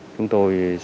chúng tôi sẽ